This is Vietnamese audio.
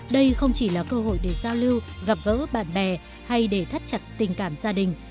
đây không chỉ là cơ hội để giao lưu gặp gỡ bạn bè hay để thắt chặt tình cảm gia đình